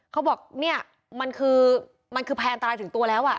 เขาบอกนี่มันคือแผนตรายถึงตัวแล้ว